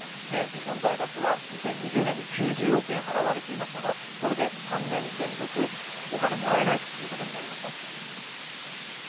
日本大学は２０２０年度、９０億円、払われていましたがこれで３年連続お金はもらえないということになりました。